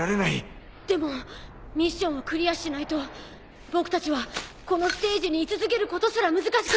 でもミッションをクリアしないと僕たちはこのステージに居続けることすら難しく。